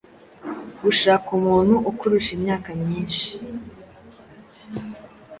Gushaka umuntu ukurusha imyaka myinshi